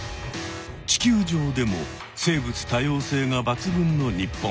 地球上でも生物多様性がばつ群の日本。